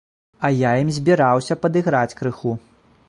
А я ім збіраўся падыграць крыху.